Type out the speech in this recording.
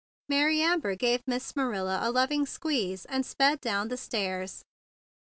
Mary Amber gave Miss Marilla a loving squeeze, and sped down the stairs.